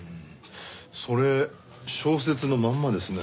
それ小説のまんまですね。